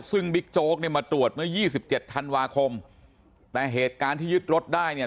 ซึ่งบิ๊กโจ๊กรองพวัตรมาตรวจเมื่อ๒๗ธันวาคมแต่เหตุการณ์ที่ยึดรถได้เนี่ย